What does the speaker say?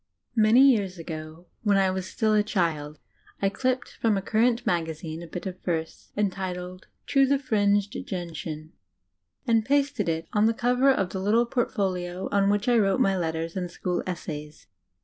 I"! D,„™.,Google Many years ago, when I was still a child, I clipped from a current magazine a bit of verse, entitled "To the Fringed Gentian," and pasted it on the comer of the little portfolio on which I wrote my letters and school essays.